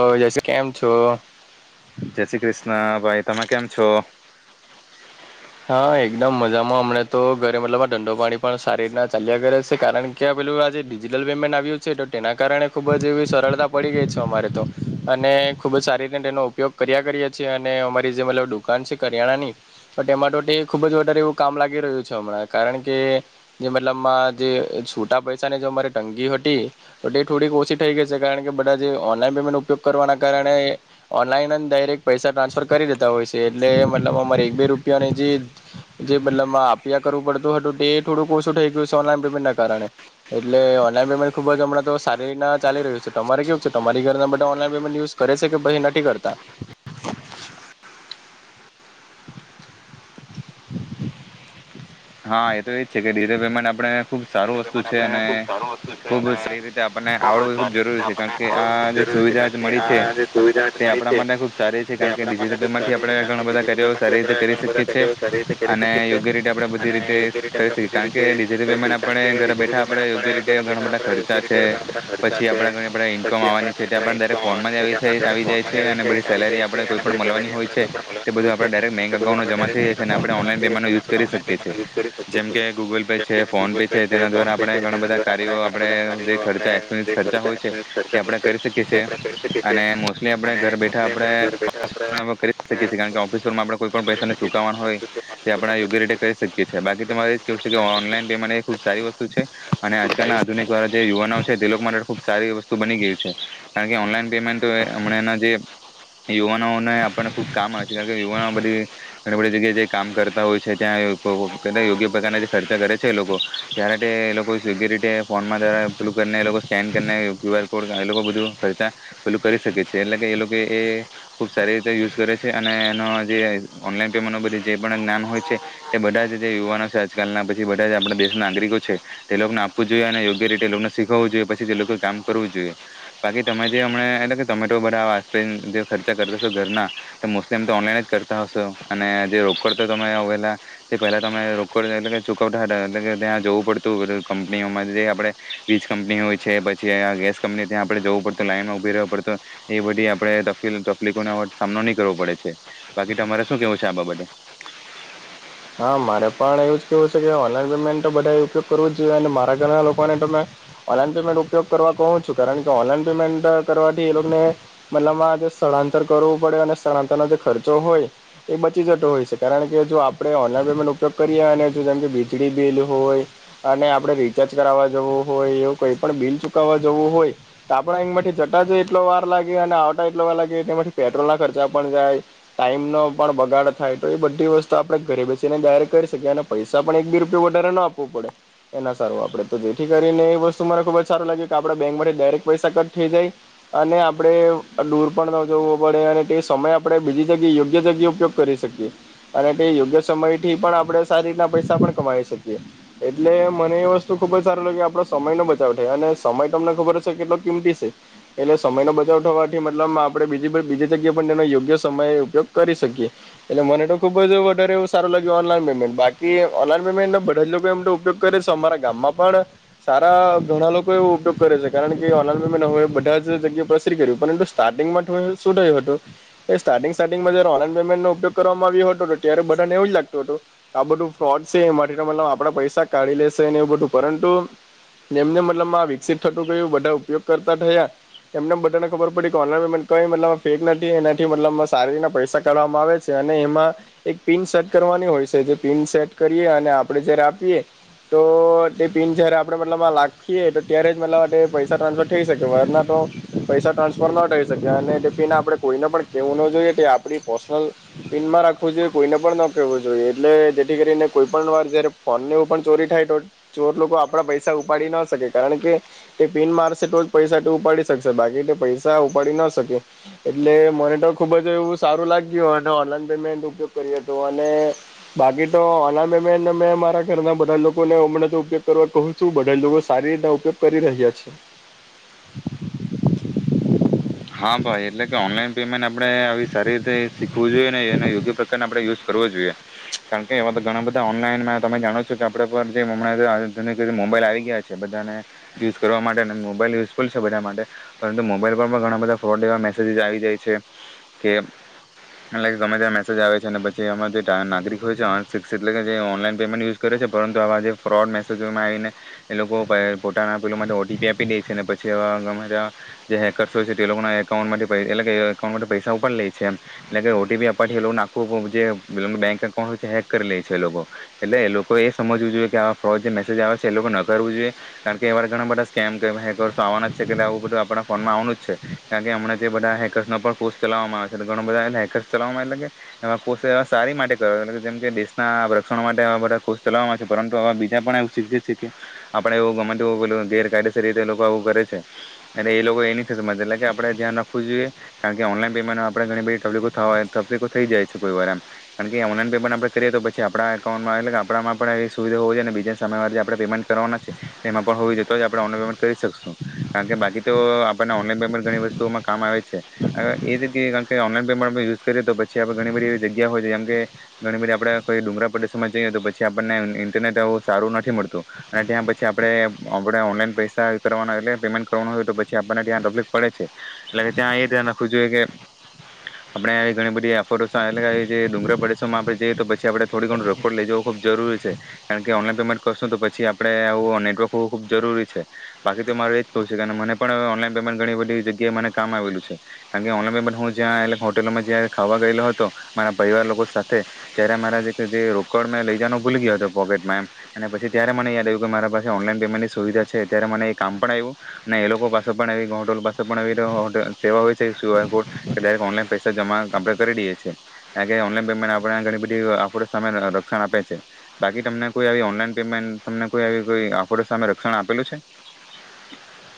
[unintelligible] કેમ છો. જય શ્રી કૃષ્ણ ભાઈ તમે કેમ છો. હા એકદમ મજામાં અમને તો ઘરે મતલબ આ ધંધો પાણી પણ સારી રીતના ચાલ્યા કરે છે કારણ કે પેલું આજે ડિજિટલ પેમેન્ટ આવ્યું છે તો તેના કારણે ખુબ જ એવી સરળતા પડી ગઈ છે અમારે તો. અને ખુબ જ સારી રીતે તેનો ઉપયોગ કર્યા કરીએ છીએ અને અમારી જે મતલબ દુકાન છે કરિયાણાની તો તેમાં તે ખુબ જ વધારે એવું કામ લાગી રહ્યું છે હમણાં કારણ કે જે મતલબ જે છૂટા પૈસાને જો મારી તંગી હતી તો તે થોડીક ઓછી થઈ ગઈ છે કારણ કે બધા જે ઓનલાઈન પેમેન્ટ ઉપયોગ કરવાના કારણે ઓનલાઈન ડાયરેક્ટ પૈસા ટ્રાન્સફર કરી દેતા હોય છે એટલે મતલબ અમારે એક બે રૂપિયા નું જે જે મતલબમાં આપ્યા કરવુ પડતું હતું તે થોડું ઓછું થઈ ગયું છે ઓનલાઈન પેમેન્ટના કારણે. એટલે ઓનલાઈન પેમેન્ટ ખુબ જ હમણાં સારીતના ચાલી રહ્યું છે તમારે કેવું છે તમારી ઘરના બ ઓનલાન પેમેન્ટ યુ કરે છે કે પાહિ નથી કરતા. [inaudible] [inaudible] હા એ તો એજ છે કે ડિજિટલ પેમેન્ટ આપડે ખુબ સારું વસ્તુ છે અને ખુબ સારી રીતે આપણને આવડવું એ ખુબ જરૂરી છે. કારણ કે આ જે સુવિધા મળી છે તે આપણા માટે ખુબ સારી છે કારણ કે ડિજિટલ એમાંથી આપણે ઘણા બધા કાર્યો સારી રીતે કરી શકીએ છીએ અને યોગ્ય રીતે આપણે બધી રીતે કરી શકે કારણ ડીજીટલ પેમેન્ટ આપણે ને ઘરે બેઠા આપડે યોગ્ય રીતે ઘણા બધા ખર્ચા છે પછી આપડા ઘણી બધા ઈન્કમ આવવાની છે તે આપ દરેક ફોનમાં જ આવી જાય છે અને બધી સેલેરી આપણે કોઈ પણ મળવાની હોય છે. તે બધું આપડે ડાયરેક્ટ બેંક અકાઉમાં જમાઈ થઈ જશે ને આપડે ઓનલાઈન પેમેનટનો યુઝ કરી શકે. કે છે જેમ કે ગૂગલ પે છે ફોન પે છે. તેના દ્વારા આપણે ઘણા બધા કાર્યો આપણે જે ખર્ચા [unintelligible] ખર્ચા હોય છે તે આપણેે કરી શકીએ છીએ. અને મોસ્ટલી આપડે ઘર બેઠા આપડે કરી શકીએ કારણ કે ઓફિસ [unintelligible] આપણે કરી શકીએ છીએ કારણ કે ઓફિસમાં આપણે કોઈ પણ પૈસાને ચુકવવાના હોય તે આપણે યોગ્ય રીતે કરી શકીએ છીએ બાકી તમારે કેવુ છે ઓનલાઈન પેમેન્ટ એ ખુબ સારી વસ્તુ છે અને આજકાલ ના આધુનિક દ્રારા જે યુવાનો છે તે લોકો માટે ખુબ સારી વસ્તુ બની ગયું છે. કારણ કે ઓનલાઈન પેમેન્ટ હમણા ન જે યુવાનોને આપણને ખુબ કામ આવેે છે કારણ કે યુવાનો ને બધી ઘણી બધી જગ્યાએ જે કામ કરતા હોય છે ત્યાં [unintelligible] યો યોગ્ય પ્રકારના જે ખર્ચા કરે છે એ લોકો ત્યારે તે એ લોકો [unintelligible] ફોનમાં [unintelligible] પેલુ કરીને એ લોકો સ્કેન કરીને ક્યુ આર કોડ એ લોકો બધું ખર્ચા પેલુ કરી શકે છે એટલે કે એ લોકો એ ખુબ સારી રીતે યુઝ કરે છે અને એનો જે ઓનલાઈન પેમેન્ટ બધી જે પણ જ્ઞાન હોય છે. તે બધા જ જે યુવાનો છે આજકાલના પછી બધા જ આપણા દેશના નાગરિકો છે. તે લોકોને આપવું જોઈએ અને યોગ્ય રીતે એ લોકોને શીખવું જોઈએ પછી તે લોકો કામ કરવું જોઈએ. બાકી તમે જે અમને એટલે કે તમે તો બધા વાસ્તવિક ખર્ચા કરતા છો ઘરના તો મોસ્ટલીમ તો ઓનલાઈન જ કર કરતા હશો અને જે રોકડ તો તમે [unintelligible] તે પહેલા તમે રોકડ એટલે કે ચૂકવતાં હતા એટલે કે ત્યાં જવું પડતું કંપનીઓમાં જે આપણે વીજ કંપની હોય છે પછી ગેસ કંપની ત્યાં આપડણે જવું પડત લાઈનો ઉભી રહેવા પડતું. એ બધી આપડે તફ-તફલીફોનો સામનો ની કરવો પડે છે. બાકી તમારે શું કેવું છે? આ બાબતે. હા, મારે પણ એવું જ કેવું છે કે ઓનલાઈન પેમેન્ટ તો બધાએ ઉપયોગ કરવો જ જોઈએ, અને મારા ઘરના લોકોને તો મે ઓનલાઈન પેમેન્ટ ઉપયોગ કરવા કહું છું, કારણ કે ઓનલાઈન પેમેન્ટ કરવાથી એ લોકોને મતલબમાં જે સ્થળાંતર કરવું પડે અને સ્થળાંતરનો જે ખર્ચો હોય એ બચી જતો હોય છે, કારણ કે જો આ આપડે ઓનલાઈન પેમેન્ટ ઉપયોગ કરીએ અને [unintelligible] જે વીજળી બિલ હોય અને આપડે રિચાર્જ કરાવા જવું હોય એવું કોઈ પણ બિલ ચુકાવા જવું હોય તો આપડા [unintelligible] જતા જ એટલો વાર લાગે અને આવતા એટલો વાર લાગે એટલે એમાંથી પેટ્રોલના ખર્ચા પણ જાય ટાઈમનો પણ બગાડ થાય. તો એ બધી વસ્તુ આ આપડે ઘરે બેસીને ડાયરેક્ટ કરી શકીએ અને પૈસા પણ એક બી રૂપયો વધારે ના આપવો પડે. એ ના સારું આપડે તો જેથી કરીને એ વસ્તુ મને ખુબ જ સારું લાગયુ કે આપડે બેંકમાંથી ડાયરેક્ટ પૈસા કટ થઈ જાય અને આપડે દૂર પણ ન જોવો પડે અને તે સમય આપડે બીજી જગ્યાએ યોગ્ય જગ્યા ઉપયોગ કરી શકીએ. પડે યોગ્ય સમયથી પણ આપડે સારી રીતના પૈસા પણ કમાવી શકીએ. એટલે મને એ વસ્તુ ખુબ જ સારું લાગે કે આપડો સમયનો બચાવ થાય અને સમય તમને ખબર હશે કેટલો કિમતી શે. એટલે સમયનો બચાવ થવાથી મતલબ આપડે બીજી બીજી જગ્યાએ પણ તેનો યોગ્ય સમયે ઉપયોગ કરી શકીએ. એટલે મને તો ખુબ જ ધારે એવુ સારું લાગ્યું ઓનલાઈન પેમેન્ટ. બાકી ઓનલાઈન પેમેન્ટ બધા લોકો એમ તો ઉપયોગ કરે શે, અમારે ગામમાં પણ સારા ઘણા લોકો એવો ઉપયોગ કરે છે, કારણ કે ઓનલાઈન પેમેન્ટ હવે બધા જ જગ્યાએ પરસરી ગયું. પરંતુ સ્ટાર્ટિંગમાં તો એવુ શું થયું હતુ, કે સ્ટાર્ટિંગ સ્ટાર્ટિંગમાં જયારે ઓનલાઈન પેમેન્ટનો ઉપયોગ કરવામાં આવ્યો હતો તો ત્યારે બધાને એવું જ લાગતું હતું આ બધું ફ્રોડ શે, એમાંથી તો મતલબ આપડા પૈસા કાઢી લેશેને એવું બધું પરંતુ જેમ જેમ મતલબ આ વિકસિત થતું ગયું, બધા ઉપયોગ કરતા થયા તમને બધાને ખબર પડી કે ઓનલાઈન પેમેન્ટ કઈ મતલબ ફેક નથી એનાથી મતલબ સારી રીતના પૈસા કાઢવામાં આવે અને એમાં એક પિન સેટ કરવાની હોય છે જે પિન સેટ કરીએ અને આપડે જયારે આપીએ તો તે પિન જયારે આપડે મતલબમાં લાખીએ તો ત્યારે જ મતલબ પૈસા ટ્રાન્સફર થઈ શકે વરના તો પૈસા ટ્રાન્સફર ન કરી થઈ શકે અને તેથીના આપડે કોઈને પણ કેવું ન જોઈએ કે આપડી પર્સનલ [unintelligible] જોઈએ કોઈને પણ ન કહેવું જોઈએ એટલે જેથી કરીને કોઈ પણ વાર જયારે ફોનને એવું પણ ચોરી થાય તો ચોર લોકો આપડા પૈસા ઉપાડી ન શકે કારણ કે તે પીન મારશે તો જ પૈસાથી ઉપાડી શકશે બાકી તો પૈસા ઉપાડી ન શકે. એટલે મને તો ખુબ જ એવું સારું લાગ્યું અને ઓનલાઈન પેમેન્ટ ઉપયોગ કર્યો તો અને બાકી તો ઓનલાઈન મે મે ને મે મારા ઘરના બધા લોકોને હમને તો ઉપયોગ કરવા કહુ શું બધા લોકો સારી રીતના ઉપયોગ કરી રહ્યા છે. હા, ભાઈ એટલે કે ઓનલાઈન પેમેન્ટ આપણે આવી સારી રીતે શીખવું જોઈએ ને એને યોગ્ય પ્રકાર આપણે યુઝ કરવો જોઈએ. કારણ કે, એવા તો ઘણા બધા ઓનલાઈનમાં તમે જાણો છો કે આપડે પર જેમ હમણાં [unintelligible] મોબાઈલ આવી ગયા છે, બધાને યુઝ કરવા માટે ને મોબાઈલ યુઝફુલ છે બધા માટે પરંતુ મોબાઈલ પર પણ ઘણા બધા ફ્રોડ એવા મેસેજીસ આવી જાય છે કે એટલે કે ગમે ત્યાં મેસેજ આવે છે, ને પછી અને જેટલા નાગરિક હોય છે અનશિક્ષિત એટલે કે જે ઓનલાઈન પેમેન્ટ યુઝ કરે છે, પરંતુ આવા જે ફ્રોડ મેસેજોમાં આઈને એ લોકો પઈ પોતાના પેલો માટે ઓટીપી આપી દે છે ને પછી એવા ગમે ત્યાં જે હેકરસ હોય છે એ લોકોના એકકાઉન્ટ માંથી પૈ એટલે કે એકાઉન્ટ માથી પૈસા ઉપાડ લે છે એમ. એટલે કે ઓટીપી આપવાથી એ લોકોન આખુ જે બેંક એકઉન્ટ હોય છે હેક કરી લે છે એ લોકો. એટલે એ લોકો એ સમજવું જોઈએ કે આ ફ્રોડ જે મેસેજ આવે છે એ લોકો નકારવું જોઈએ. કારણ કે, એવા તે ઘણા બધા સ્કેમ કે હેકરસો આવાના જ છે એટલે આવું બધું આપડા ફોનમાં આવાનું જ છે. કારણ કે, હમણા જે બધા હેકર્સના પર કોષ ચલાવવામાં આવે છે ઘણા બધા એમ હેકર્સ ચલાવામાં એટલે કે એવા કોષ એવા સારી માટે કરવા જેમ કે દેશના રક્ષણ માટે એવા બધા કોષ ચલાવામાં છે પરંતુ આવા બીજા પણ શીખીએ છે કે આપડે એવુ ગમે તેવુ ગેરકાયદેસર રીતે એ લોકો આવું કરે છે અરે એ લોકો એની [unintelligible] કે આપડે ધ્યાન રાખવું જોઈએ, કારણ કે ઓનલાઈન પેમેન્ટ આપડે ઘણી બધી તકલીફો થવા હોય તકલીફો થઈ જાય છે કોઈવાર એમ. કારણ કે ઓનલાઈન પેમેન્ટ આપણે કરીએ તોપછી આપણા અ એકાઉન્ટમાં એટ આપણામાં પણ એ સુવિધા હો જોઈએને બીજા સમયમાં જે આપણે પેમેન્ટ કરવા છે એમાં પણ હોવી જોએ તો જ આપણે ઓનલાન પેમેન્ટ કરી શકશું કારણ કે બાકી તો આપને ઓનલાઈન પેમેન્ટ ઘણી વસ્તુઓમાં કામ આવે છે. હવે [unintelligible] કારણ કે ઓનલાઈન પેમેન્ટ યુઝ કરીએ તો પછી આપ ઘણી બધી એવી જગ્યા હોય છે જેમ કે ઘણી બધી આપડે કોઈ ડુંગરા પ્રદેશોમાં જઈએ તો પછી આપણને ઇન્ટરનેટ આવું સારું નથી મળતું. અને ત્યાં પછી આપડે આપડણે ઓનલાઈન પૈસા કરવાના એટલે પેમેન્ટ કરવાનું હોય તો પછી આપને ત્યાં તકલીફ પડે છે એટલે કે ત્યાં એ ધ્યાન રાખવું જોઈએ કે આપડે ઘણી બધી [unintelligible] જે ડુંગરા પડોમાં આપણે જઈએ તો પછી આપડે થોડી ઘણું [unintelligible] લઈ જવો ખુબ જરૂરી છે. કારણ કે ઓનલાઈન પેમેન્ટ કરશું તો પછી આપડે આવું નેટવર્ક હોવું ખુબ જરૂરી છે. બાકી તો મારે એજ કરવું છે મને પણ ઓનલાઈન પેમેન્ટ ઘણી બધી જગ્યાએ મને કામ આવેલું છે. કારણ કે ઓનલાઈન હું જ્યાં હોટલોમાં જ ખાવા ગયેલો હતો મારા પરિવાર લોકો સાથે ત્યારે મારા જે જે રોકડ મેં લઈ જનો ભૂલ ગયો હતો પોકેટમાં એમ. અને પછી ત્યારે મને યાદ આવ્યું કે મારા પાસે ઓનલાઈન પેમેન્ટની સુવિધા છે ત્યારે મને એ કામ પણ આવ્યું. ને એ લોકો પાસે પણ એ [unintelligible] [unintelligible] એવી સેવા હોય છે ક્યુ આર કોડ કે ઓનલાઈન પૈસા જમા આપણે કરી દઈએ છીએ. કારણ કે ઓનલાઈન પેમેન્ટ આપણે ઘણી બધી આપડે સામે લક્ષણ આપે છે. બાકી તમને કોઈ આવી ઓનલાઈન પેમેન્ટ તમને કોઈ આવી કોઈ આફોડ સામે રક્ષણ આપેલું છે.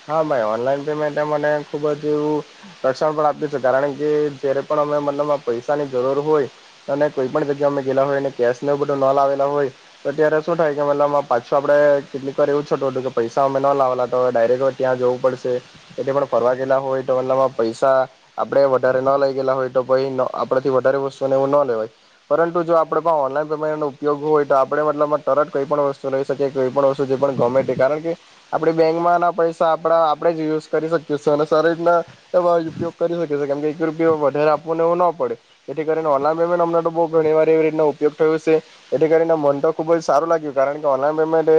હા ભાઈ ઓનલાઈન પેમેન્ટ મને ખુબ જ એવું રક્ષણ પણ આપ્યું છે કારણ કે જયારે પણ અમે મનેમાં પૈસાની જરૂર હોય. અને કોઈ પણ જગ્યા અમે ગેલા હોય ને કેશ ન બધો ન લાવેલા હોય. તો અત્યારે શું થાય કે મતલબમાં પાછું આપડે કેટલીક વાર એવું છતું હતું કે પૈસા અમે ન લાવેલા તો ડાયરેક્ટ ત્યાં જવું પડશે એટલે પણ ફરવા ગયેલા હોય એટલામાં પૈસા આપડે વધારે ન લઈ ગયેલા હોય તો ભાઈ આપણેથી વધારે વસ્તુઓને એવું ન લેવાય. પરંતુ જો આપે પણ ઓનલાઈન પેમેન્ટ નો ઉપયોગ હોય તો આપણે મતલબમાં તરત કઈ પણ વસ્તુ લઈ કોઈ પણ વસ્તુ ગમે કારણ કે આપણે બેંકમાં ના પૈસા તો આપડા આપણે જ યુઝ કરી શકીએ અને શરીરના એ જ ઉપયોગ કરી શકે છે કેમ કે એક રૂપયો વધારે આપવાને એવું ન પડે એથી કરીને ઓનલાન પેમેન્ટ અમને તો બો ઘણી વાર એવી રીતના ઉપયોગ થયો છે. એથી કરીને મન તો ખુબ જ સારું લાગ્યું કારણ કે ઓનલાઈન પેમેન્ટ એ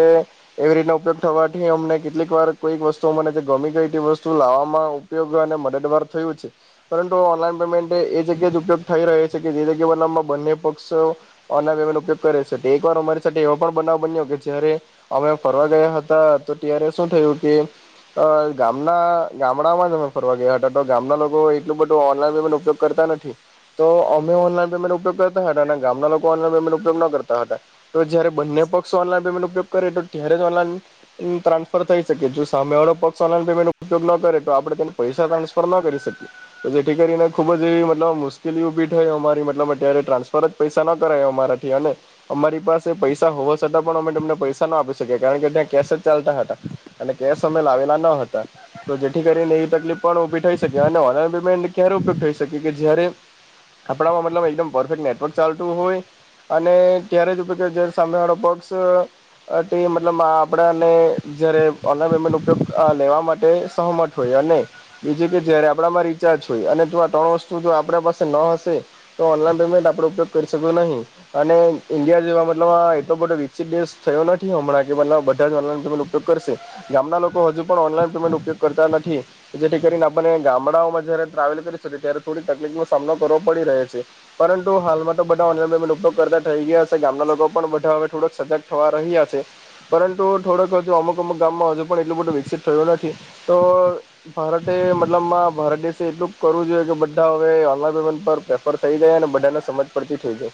એવી રીતના ઉપયોગ થવાથી અમને કેટલીક વાર કોઈક વસ્તુ મને ગમી ગઈ તે વસ્તુ લાવવામાં ઉપયોગ અને મદદવાર થયું છે. પરંતુ ઓનલાઈન પેમેન્ટ એ જગ્યા જ ઉપયોગ થઈ રહે છે કે જે જગ્યામાં બંને પક્ષ ઓનાનો ઉપયોગ કરે છે તે એક વાર અમારી સાથે એવા પણ બનાવ બન્યો કે જયારે અમે ફરવા ગયા હતા તો ત્યારે શું થયું કે તો ગામના ગામડામાં જ અમે ફરવા ગયા હતા તો ગામના લોકો એટલું બધું ઓનલાઈન પેમેન્ટ ઉપયોગ કરતા નથી તો અમે ઓનલાઈન પેમેન્ટ ઉપયોગ કરતા હતા ને ગામના લોકો ઓનલાન પેમેન્ટ ઉપયોગ ન કરતા હતા. તો જયારે બંને પક્ષ ઓનલાઈન પેમેન્ટ ઉપયોગ કરે તો ત્યારે જ ઓનલાઈન ટ્રાન્સફર થઈ શકે જો સામેવાળો પક્ષ ઓનલાન પેમેન્ટ ઉપયોગ ન કરે તો આપણે તે પૈસા ટ્રાન્સફર ન કરી શકીએ. તો જેથી કરીને ખુબ જ એવી મતલબ મુશ્કેલી ઊભી થઈ અમારી મતલબ અત્યારે ટ્રાન્સફર જ પૈસા ન કરાય મારાથી અને અમારી પાસે પૈસા હોવા છતાં પણ અમે તમને પૈસા ના આપી શક્યા કારણ કે ત્યાં કેશ જ ચાલતા હતા. અને કેસ અમે લાવેલા ન હતા. તો જેથી કરીને એવી તકલીફ પણ ઉભી થઈ શકે અને ઓનલાઈન પેમેન્ટ ક્યારે ઉપયોગ થઈ શકે કે જયારે આપણામાં મતલબ એકદમ પરફેક્ટ નેટવર્ક ચાલતું હોય અને ત્યારે જ [unintelligible] સામે વાળો પક્ષ આ તે મતલબ આપણાને જ્યારે ઓનલાઈન પેમેન્ટ ઉપયોગ આ લેવા માટે સહમત હોય અને બીજું કે જયારે આપણામાં રિચાર્જ હોય અને જો આ ત્રણ વસ્તુ જો આપણા પાસે ન હશે તો ઓનલાઈન પેમેન્ટ આપડે ઉપયોગ કરી શકુ નહી. અને ઈન્ડિયા જેવા મતલબ આ એતો બધો વિકસિત દેશ થયો નથી હમણાં કે મતલબ બધા જ ઓનલાઇન ઉપયોગ કરશે. ગામના લોકો હજુ પણ ઓનલાઈન પેમેન્ટ ઉપયોગ કરતા નથી. જેથી કરીને આપને ગામડાઓમાં જયારે ટ્રાવેલ કરી શકીએ ત્યારે થોડી તકલીફ નો સામનો કરવો પડી રહે છે. પરંતુ હાલમાં તો બધા ઓનલાઇન પેમેન્ટ ઉપયોગ કરતા થઈ ગયા સે ગામના લોકો પણ બધા હે થોડક સજાગ થવા રહ્યા છે. પરંતુ થોડોક હજુ અમુક અમુક ગામમાં હજુ પણ એટલું બધું વિકસિત થયું નથી તો ભારતે મતલબમાં ભારત દેશે એટલું કરવું જોઈએ કે બધા હવે ઓનલાઈન પેમેન્ટ પર પ્રેફર થઈ ગયા અને બધાને સમજ પડતી થઈ ગઈ.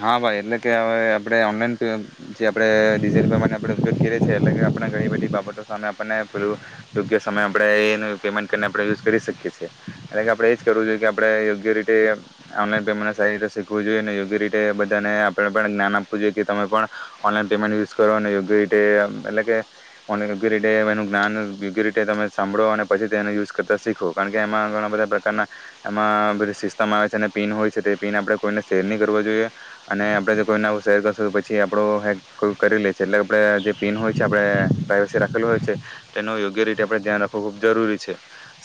હા ભાઈ એટલે કે હવે આપડે ઓનલાઈન પે જે આપણે ડીઝલ [unintelligible] આપણે ઉપયોગ કરીએ છીએ એટલે કે આપણે ઘણી બધી બાબતો સામે આપણને પેલું યોગ્ય સમય આપડે એ પેમેન્ટ કરીને આપણે યુઝ કરી શકીએ છીએ એ કે આપડે એજ કરવું જોઈએ કે આપ આપડે યોગ્ય રીતે [unintelligible] શીખવું જોઈએ ને રીતે બધાને આપણે પણ જ્ઞાન આપવું જોઈએ તમે પણ ઓનલાઈન પેમેન્ટ યુઝ કરો અને યોગ્ય રી એ એટલે કે યોગ્ય રીતે એનું જ્ઞાન યોગ્ય રીતે તમે સાંભળો અને પછી તેને યુઝ કરતા શીખો. કારણ કે એમાં ઘણા બધા પ્રકારના એમાં સિસ્ટમ આવે છે. અને પીન હોય છે. તે પીન આપડે કોઈને શેર નઈ કર વુ જોઈએ અને આપડે કોઈ શેર કરશે પછી આપડો કોઈ કરી લે છે. એટલે આપે જે પીન હોય છે. આપણે પ્રાઈવસી રાખેલું હોય છે. તેનું યોગ્ય રીતે આપડે ધ્યાન રાખવું ખુબ જરૂરી છે.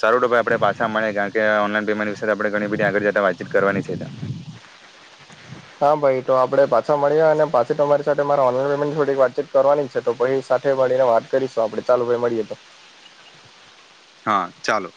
સારું તો ભાઈ આપણે પાછા મળે કારણ કે ઓનલાઈન પેમેન્ટ વિશે આપણે ઘણી બધી આગળ જતા વાતચીત કરવાની છે. હા ભાઈ તો આપડે પાછા મળ્યા અને પાછી તમારી સાથે મારે ઓનલાઈન પેમેન્ટ થોડી વાતચીત કરવાની જ છે. તો પહી સાથે મળીને વાત કરીશું આપડે ચાલુ ભાઈ મળીએ તો હા ચાલો.